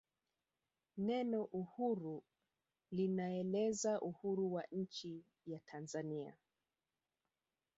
neno uhuru linaeleza uhuru wa nchi ya tanzania